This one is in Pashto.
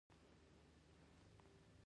او د کمپیوټر انځور لاهم د سلاټ ماشین په څیر و